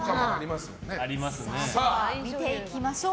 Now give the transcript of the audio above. では見ていきましょう。